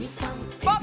パッ！